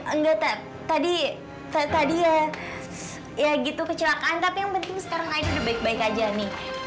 enggak teh tadi ya ya gitu kecelakaan tapi yang penting sekarang main udah baik baik aja nih